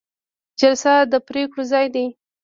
جلسه د پریکړو ځای دی